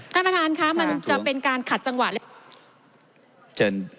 ท่านประธานค่ะมันจะเป็นการขัดจังหวะเลย